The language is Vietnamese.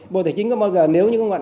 bộ tài chính có bao giờ